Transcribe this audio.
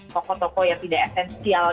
toko toko yang tidak essential